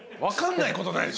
分かんない。